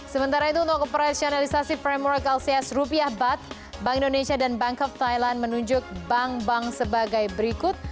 sementara itu untuk operasionalisasi premier lcs rupiah bat bank indonesia dan bank of thailand menunjuk bank bank sebagai berikut